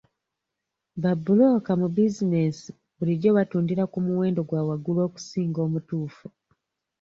Ba bulooka mu bizinesi bulijjo batundira ku muwendo gwa waggulu okusinga omutuufu.